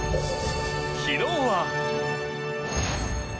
昨日は。